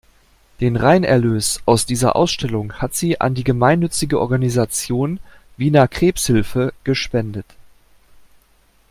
Den Reinerlös aus dieser Ausstellung hat sie an die gemeinnützige Organisation "Wiener Krebshilfe" gespendet.